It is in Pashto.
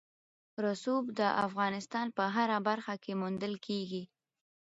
رسوب د افغانستان په هره برخه کې موندل کېږي.